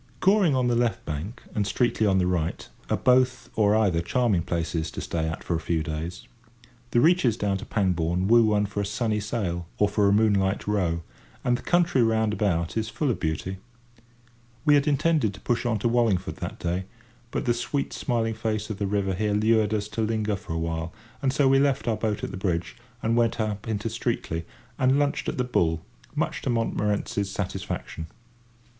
Goring on the left bank and Streatley on the right are both or either charming places to stay at for a few days. The reaches down to Pangbourne woo one for a sunny sail or for a moonlight row, and the country round about is full of beauty. We had intended to push on to Wallingford that day, but the sweet smiling face of the river here lured us to linger for a while; and so we left our boat at the bridge, and went up into Streatley, and lunched at the "Bull," much to Montmorency's satisfaction.